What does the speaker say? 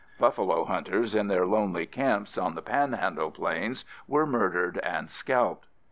Buffalo hunters in their lonely camps on the Panhandle plains were murdered and scalped.